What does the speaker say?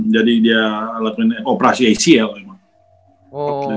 jadi dia lakukan operasi acl memang